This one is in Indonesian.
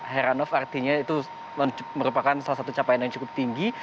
heranov artinya itu merupakan salah satu capaian yang cukup tinggi